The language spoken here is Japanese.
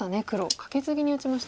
カケツギに打ちました。